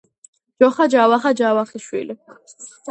ჯოხა ჯავახა ჯავახიშვილი